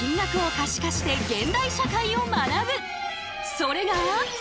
それが。